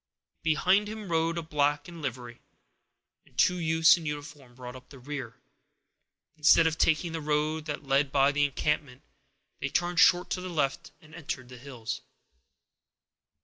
Behind him rode a black in livery, and two youths in uniform brought up the rear. Instead of taking the road that led by the encampment, they turned short to the left and entered the hills.